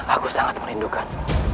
aku sangat merindukan